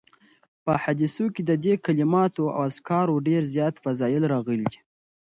په احاديثو کي د دي کلماتو او اذکارو ډير زیات فضائل راغلي